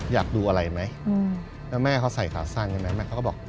อยากดูอะไรไหมแล้วแม่เขาใส่ขาสั้นใช่ไหมแม่เขาก็บอก